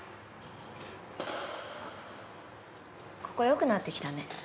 ここ良くなってきたね。